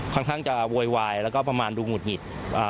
ค่อนข้างจะโวยวายแล้วก็ประมาณดูหุดหงิด